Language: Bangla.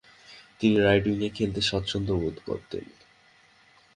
তিনি রাইট উইং-এ খেলতে স্বাচ্ছন্দ বোধ করতেন।